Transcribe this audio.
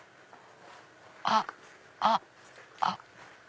あっあっあっ。